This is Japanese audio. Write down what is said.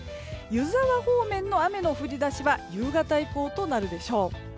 湯沢方面の雨の降り出しは夕方以降となるでしょう。